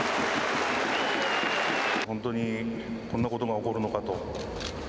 本当にこんなことが起こるのかと。